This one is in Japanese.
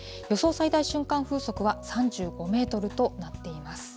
最大瞬間風速は３５メートルとなっています。